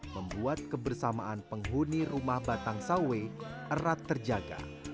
membuat kebersamaan penghuni rumah batang sawe erat terjaga